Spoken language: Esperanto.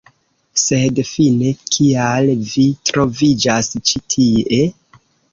Sed fine kial vi troviĝas ĉi tie?